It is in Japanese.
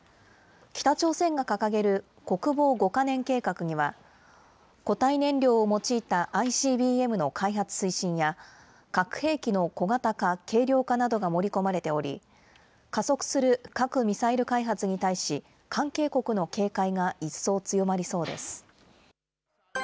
北朝鮮が掲げる国防５か年計画には、固体燃料を用いたＩＣＢＭの開発推進や、核兵器の小型化・軽量化などが盛り込まれており、加速する核・ミサイル開発に対し、関係国の警戒が一層強まりそうです。